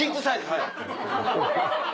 はい。